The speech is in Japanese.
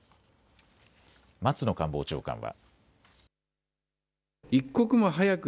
松野官房長官は。